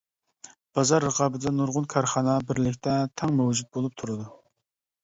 بازار رىقابىتىدە نۇرغۇن كارخانا بىرلىكتە تەڭ مەۋجۇت بولۇپ تۇرىدۇ.